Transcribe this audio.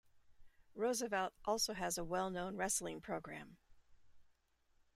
Roosevelt also has a well known wrestling program.